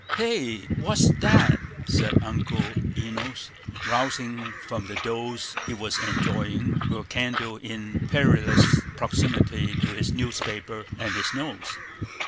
"Hey! what's that?" said Uncle Enos, rousing from the doze he was enjoying, with a candle in perilous proximity to his newspaper and his nose.